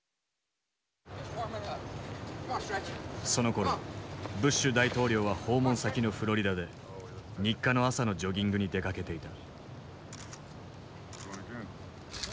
そのころブッシュ大統領は訪問先のフロリダで日課の朝のジョギングに出かけていた。